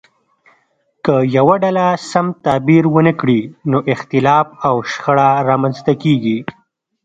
که یوه ډله سم تعبیر ونه کړي نو اختلاف او شخړه رامنځته کیږي.